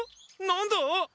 何だ？